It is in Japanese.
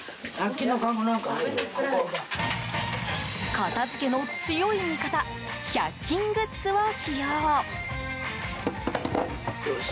片付けの強い味方１００均グッズを使用。